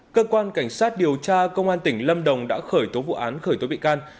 cơ quan cảnh sát điều tra công an tỉnh lâm đồng đã khởi tố vụ án khởi tố bị can